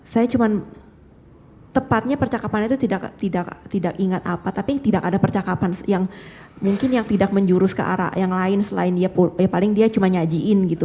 saya cuma tepatnya percakapan itu tidak ingat apa tapi tidak ada percakapan yang mungkin yang tidak menjurus ke arah yang lain selain dia paling dia cuma nyajiin gitu